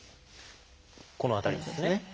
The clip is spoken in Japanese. この辺りですね。